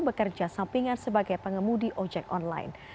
bekerja sampingan sebagai pengemudi ojek online